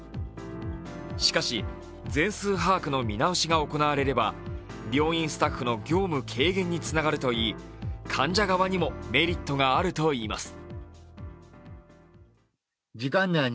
しかし、全数把握の見直しが行われれば、病院スタッフの業務軽減につながるといい患者側にもメリットがあるといいます。